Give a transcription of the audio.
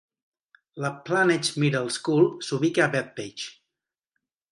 La Plainedge Middle School s'ubica a Bethpage.